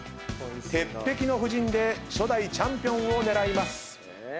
鉄壁の布陣で初代チャンピオンを狙います。